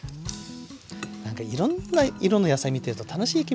なんかいろんな色の野菜見てると楽しい気分になりますよね。